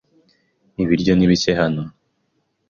Ibiryo ni bike hano?